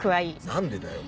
なんでだよ？